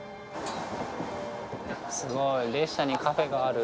すごい列車にカフェがある。